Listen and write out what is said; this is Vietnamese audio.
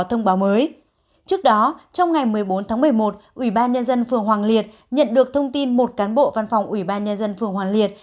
trước đó trong ngày một mươi bốn tháng một mươi một ủy ban nhân dân phường hoàng liệt nhận được thông tin một cán bộ văn phòng ủy ban nhân dân phường hoàng liệt